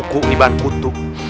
wah mirip banget